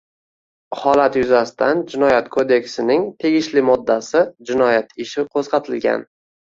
Holat yuzasidan Jinoyat kodeksining tegishli moddasi jinoyat ishi qo‘zg‘atilgan